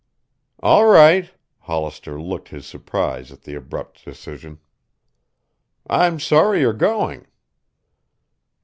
"All right." Hollister looked his surprise at the abrupt decision. "I'm sorry you're going."